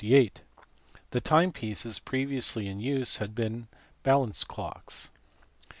The time pieces previously in use had been balance clocks.